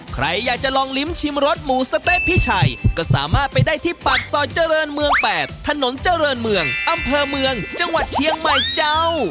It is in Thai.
ใครอยากจะลองลิ้มชิมรสหมูสะเต๊ะพี่ชัยก็สามารถไปได้ที่ปากซอยเจริญเมือง๘ถนนเจริญเมืองอำเภอเมืองจังหวัดเชียงใหม่เจ้า